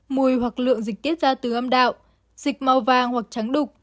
mùi hoặc lượng dịch tiết ra từ âm đạo xịt màu vàng hoặc trắng đục